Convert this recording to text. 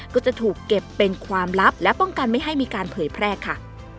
ก็จะถูกเก็บเป็นความลับและป้องกันไม่ให้มีการเผยแพร่ค่ะ